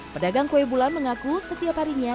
pedagang kue bulan mengaku setiap harinya